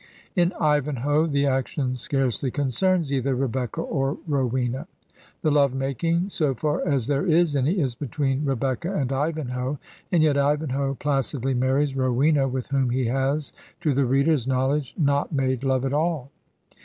In " Ivanhoe " the action scarcely concerns either Rebecca or Rowena ; the love making, so far as there is any, is between Re becca and Ivanhoe, and yet Ivanhoe placidly marries Rowena, with whom he has, to the reader's knowledge, not made love at all.